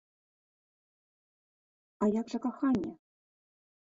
А як жа каханне?